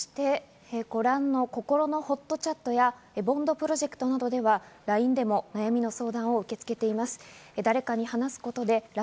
そしてご覧のこころのほっとチャットやＢＯＮＤプロジェクトなどではＬＩＮＥでも悩みの相談を受け付けています。